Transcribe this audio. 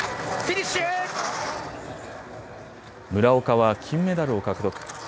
村岡は金メダルを獲得。